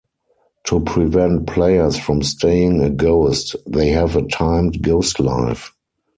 To prevent players from staying a ghost, they have a timed ghost life.